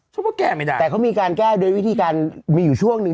ว่าแก้ไม่ได้แต่เขามีการแก้โดยวิธีการมีอยู่ช่วงหนึ่ง